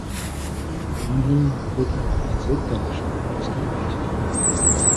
Downhill wird auch als Wettkampfsport ausgeübt.